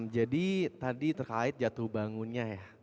jadi tadi terkait jatuh bangunnya ya